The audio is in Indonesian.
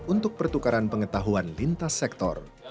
untuk pertukaran pengetahuan lintas sektor